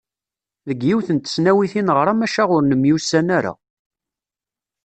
Deg yiwet n tesnawit i neɣra maca ur nemyussan ara.